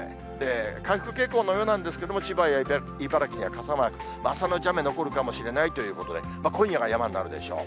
回復傾向のようなんですけれども、千葉や茨城には傘マーク、朝のうち雨残るかもしれないということで、今夜が山になるでしょう。